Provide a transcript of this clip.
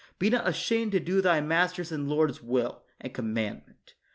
Be not ashamed to do thy Master's and Lord's will and commandment.